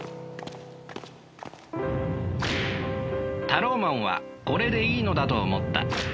タローマンはこれでいいのだと思った。